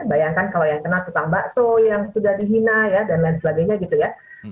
bayangkan kalau yang kena tukang bakso yang sudah dihina ya dan lain sebagainya gitu ya